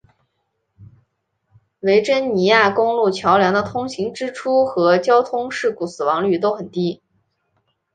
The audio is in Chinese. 维珍尼亚公路桥梁的通行支出和交通事故死亡率都很低。